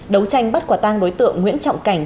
đấu tranh bắt quả tang đối tượng nguyễn trọng cảnh